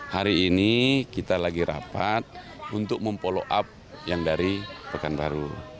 hari ini kita lagi rapat untuk memfollow up yang dari pekanbaru